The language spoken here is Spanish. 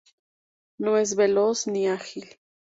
No es veloz ni ágil.